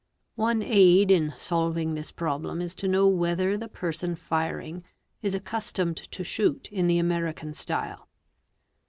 One aid in solving this problem is to know whether the person firing is accustomed to shoot in the American style.